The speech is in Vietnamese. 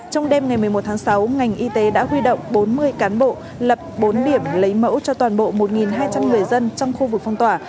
trong đêm ngày một mươi một tháng sáu ngành y tế đã huy động bốn mươi cán bộ lập bốn điểm lấy mẫu cho toàn bộ một hai trăm linh người dân trong khu vực phong tỏa